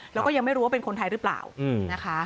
แล้วก็ยังไม่รู้ว่าเป็นคนไทยหรือเปล่านะคะ